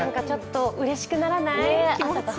ちょっとうれしくならない？